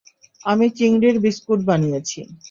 আমি চিংড়ির বিস্কুট বানিয়েছি।